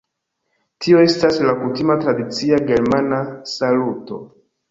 Tio estas la kutima tradicia germana saluto